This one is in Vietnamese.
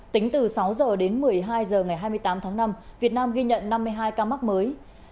tính từ sáu h đến một mươi hai h ngày hai mươi tám tháng năm việt nam ghi nhận năm mươi hai ca mắc mới